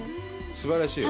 すばらしいよね。